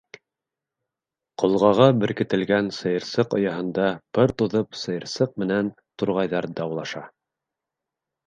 Ҡолғаға беркетелгән сыйырсыҡ ояһында пыр туҙып сыйырсыҡ менән турғайҙар даулаша.